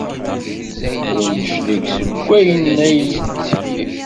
Ur d-neclig seg wayen ay yetteg.